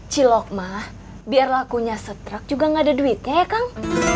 cilok mah biar lakunya setruk juga gak ada duitnya ya kang